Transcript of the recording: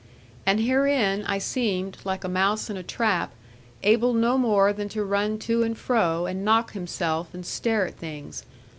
And herein I seemed, like a mouse in a trap, able no more than to run to and fro, and knock himself, and stare at things.